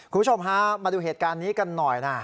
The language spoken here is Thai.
คุณผู้ชมฮะมาดูเหตุการณ์นี้กันหน่อยนะ